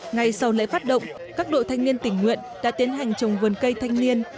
ngay sau lễ phát động các đội thanh niên tình nguyện đã tiến hành trồng vườn cây thanh niên